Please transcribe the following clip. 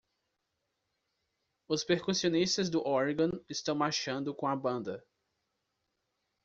Os percussionistas do Oregon estão marchando com a banda.